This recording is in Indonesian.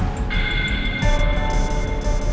aku sudah gak percaya dengan kamu